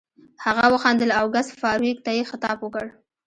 هغه وخندل او ګس فارویک ته یې خطاب وکړ